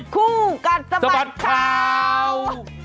คู่กัดสะบัดข่าว